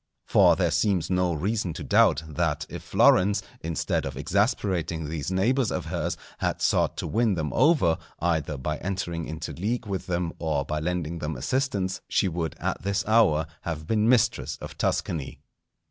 For there seems no reason to doubt, that if Florence, instead of exasperating these neighbours of hers, had sought to win them over, either by entering into league with them or by lending them assistance, she would at this hour have been mistress of Tuscany.